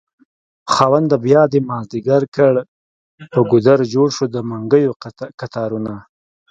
خاونده بيادی مازد يګر کړ په ګودر جوړشو دمنګيو کتارونه